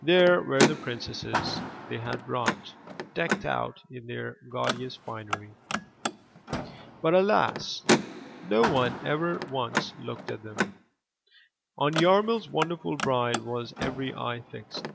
There were the Princesses they had brought, decked out in their gaudiest finery. But, alas! no one ever once looked at them. On YarmiFs wonderful bride was every eye fixed.